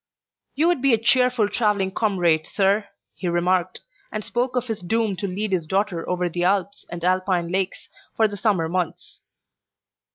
"You would be a cheerful travelling comrade, sir," he remarked, and spoke of his doom to lead his daughter over the Alps and Alpine lakes for the Summer months.